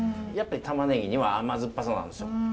やっぱり玉ねぎには甘酸っぱさなんですよ。